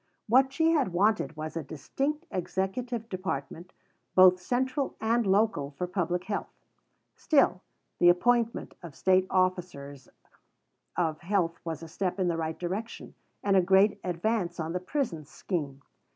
What she had wanted was a distinct Executive Department, both central and local, for Public Health. Still, the appointment of State Officers of Health was a step in the right direction, and a great advance on the Prisons scheme.